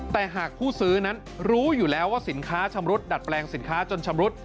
แต่หากผู้ซื้อนั้นรู้อยู่แล้วว่าสินค้าชำรุดดัดแปลงสินค้าจนชำรุด